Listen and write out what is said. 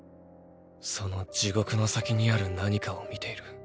その地獄の先にある「何か」を見ている。